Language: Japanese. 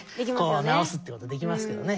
こう直すってことできますけどね。